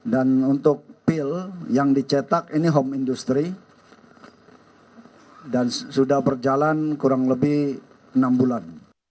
dan untuk pil yang dicetak ini home industry dan sudah berjalan kurang lebih enam bulan